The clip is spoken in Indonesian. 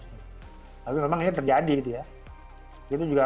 tapi memang ini terjadi gitu ya